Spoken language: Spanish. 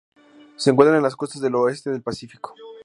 Se encuentran en las costas del oeste del Pacífico.